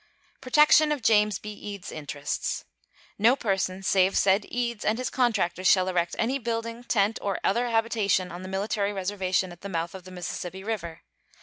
Protection of James B. Eads's interests. No person save said Eads and his contractors shall erect any building, tent, or other habitation on the military reservation at the mouth of the Mississippi River.